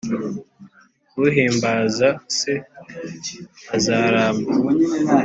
Uhimbaza se azaramba,